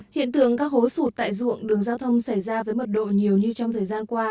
hiện tượng các hố sụt tại ruộng đường giao thông xảy ra với mật độ nhiều như trong thời gian qua